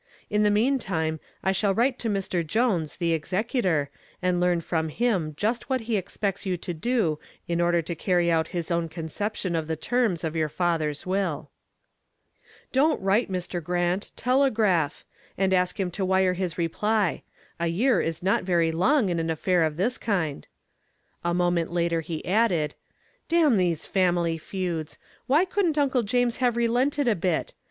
In the meantime, I shall write to Mr. Jones, the executor, and learn from him just what he expects you to do in order to carry out his own conception of the terms of your uncle's will." "Don't write, Mr. Grant; telegraph. And ask him to wire his reply. A year is not very long in an affair of this kind." A moment later he added, "Damn these family feuds! Why couldn't Uncle James have relented a bit?